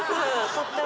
とっても。